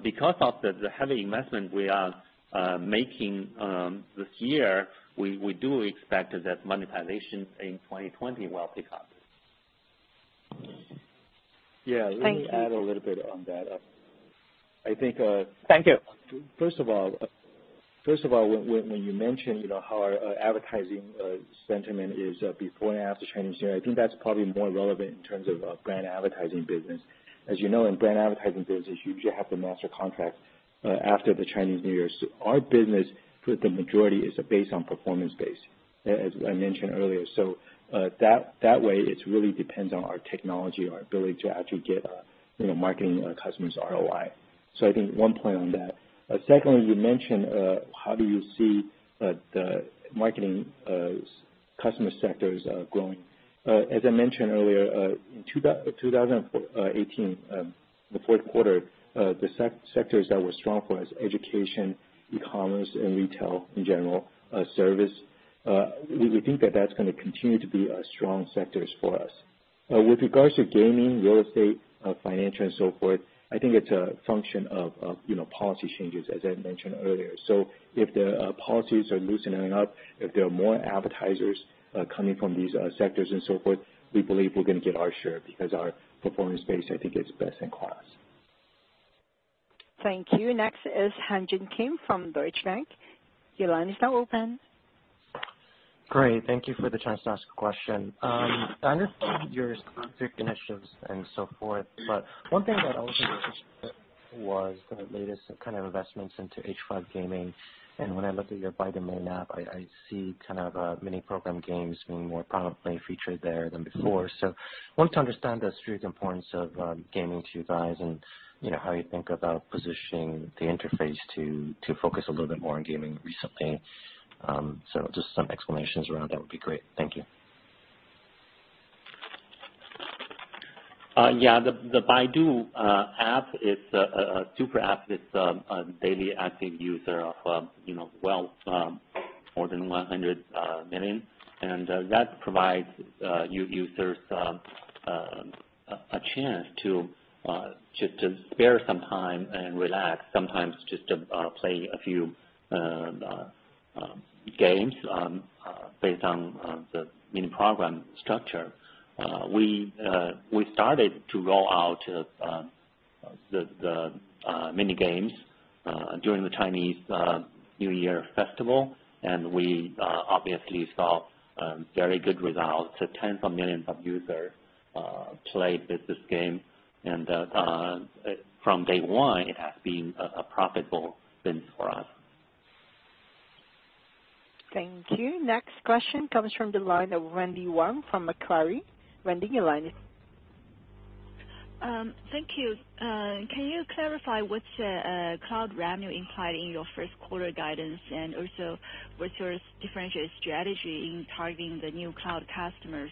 Because of the heavy investment we are making this year, we do expect that monetization in 2020 will pick up. Yeah. Thank you. Let me add a little bit on that. Thank you. First of all, when you mention how our advertising sentiment is before and after Chinese New Year, I think that's probably more relevant in terms of our brand advertising business. As you know, in brand advertising business, you usually have to master contract after the Chinese New Year. Our business for the majority is based on performance base, as I mentioned earlier. That way, it really depends on our technology, our ability to actually get marketing our customers' ROI. I think one point on that. Secondly, you mentioned, how do you see the marketing customer sectors growing? As I mentioned earlier, in 2018, the fourth quarter, the sectors that were strong for us, education, e-commerce, and retail in general, service. We think that that's going to continue to be strong sectors for us. With regards to gaming, real estate, financial and so forth, I think it's a function of policy changes as I mentioned earlier. If the policies are loosening up, if there are more advertisers coming from these sectors and so forth, we believe we're going to get our share because our performance base, I think, is best in class. Thank you. Next is Han Joon Kim from Deutsche Bank. Your line is now open. Great. Thank you for the chance to ask a question. One thing that I was interested in was the latest kind of investments into H5 gaming. When I look at your Baidu App, I see kind of mini program games being more prominently featured there than before. I want to understand the strategic importance of gaming to you guys and how you think about positioning the interface to focus a little bit more on gaming recently. Just some explanations around that would be great. Thank you. Yeah. The Baidu App is a super app that's a daily active user of well more than 100 million. That provides new users a chance to spare some time and relax, sometimes just to play a few games based on the mini program structure. We started to roll out the mini games during the Spring Festival, we obviously saw very good results. Tens of millions of users played this game. From day one, it has been a profitable business for us. Thank you. Next question comes from the line of Ellie Jiang from Macquarie. Ellie, your line is open. Thank you. Can you clarify what's cloud revenue implied in your first quarter guidance, and also what's your differentiated strategy in targeting the new cloud customers?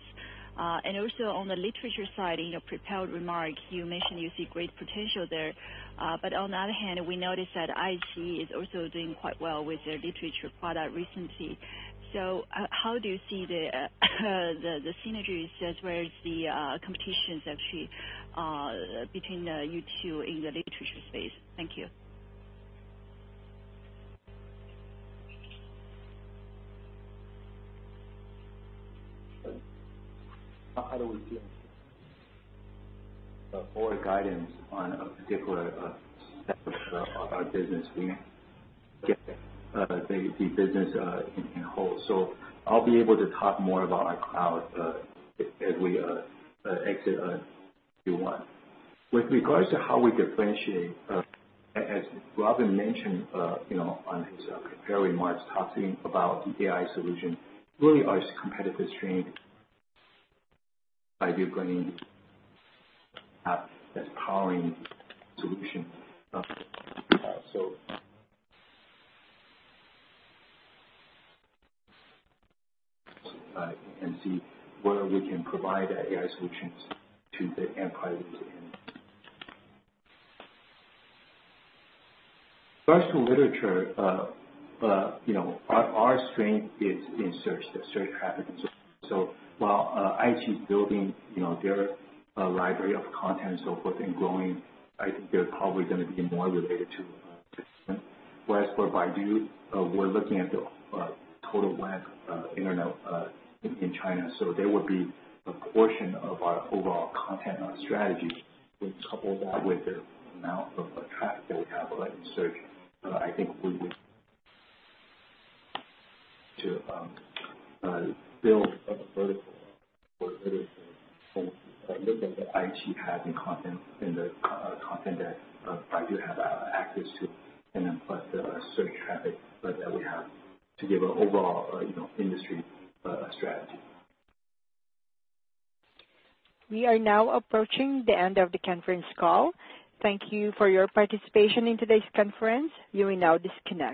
On the literature side, in your prepared remarks, you mentioned you see great potential there. On the other hand, we noticed that iQIYI is also doing quite well with their literature product recently. How do you see the synergies as well as the competitions actually between you two in the literature space? Thank you. How do we forward guidance on a particular of our business being the business in whole. I'll be able to talk more about our cloud as we exit Q1. With regards to how we differentiate, as Robin mentioned on his prepared remarks, talking about AI solution, really our competitive strength by Baidu going as powering solution. See whether we can provide AI solutions to the end parties. As to literature, our strength is in search, the search traffic and so forth. While iQIYI is building their library of content and so forth and growing, I think they're probably going to be more related to. Whereas for Baidu, we're looking at the total landscape of internet in China. There would be a portion of our overall content strategy, which couple that with the amount of traffic that we have in search. I think we would to build a vertical for literature and looking at iQIYI having content and the content that Baidu have access to, plus the search traffic that we have to give an overall industry strategy. We are now approaching the end of the conference call. Thank you for your participation in today's conference. You may now disconnect.